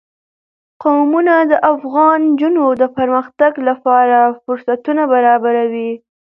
قومونه د افغان نجونو د پرمختګ لپاره فرصتونه برابروي.